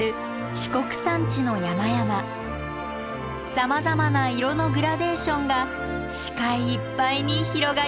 さまざまな色のグラデーションが視界いっぱいに広がります。